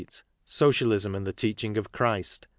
Socialism and the Teaching 0! Clirist.